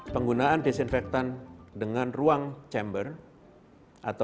penggunaan disinfektan dengan ruang chamber atau penyemprotan secara langsung ke tubuh manusia